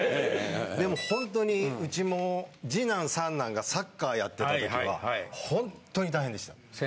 でもホントにうちも二男・三男がサッカーやってた時は本当に大変でした。